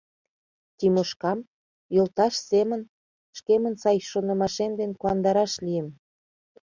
Тимошкам, йолташ семын, шкемын сай шонымашем дене куандараш лийым.